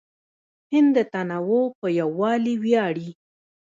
هند د تنوع په یووالي ویاړي.